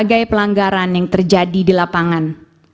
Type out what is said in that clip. ketiga adalah kebenaran dan kebenaran yang terjadi di lapangan